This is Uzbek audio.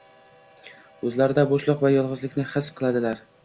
o‘zlarida bo‘shliq va yolg‘izlikni his qiladilar.